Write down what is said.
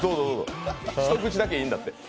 一口だっていいんだって。